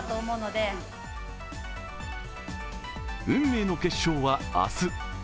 運命の決勝は明日。